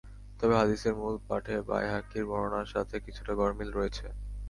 তবে হাদীসের মূল পাঠে বায়হাকীর বর্ণনার সাথে কিছুটা গরমিল রয়েছে।